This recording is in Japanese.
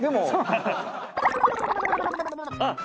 あっ！